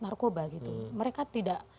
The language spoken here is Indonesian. narkoba gitu mereka tidak